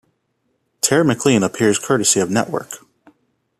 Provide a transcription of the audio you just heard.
Tara Maclean appears courtesy of Nettwerk.